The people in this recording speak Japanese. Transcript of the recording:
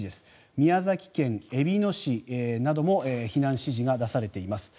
宮崎県えびの市なども避難指示が出されています。